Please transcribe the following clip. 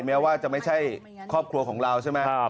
แม้ว่าจะไม่ใช่ครอบครัวของเราใช่ไหม